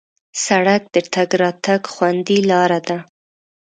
سړک د تګ راتګ خوندي لاره ده.